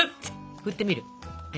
ふってみる？